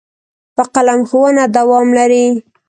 په قلم ښوونه دوام لري.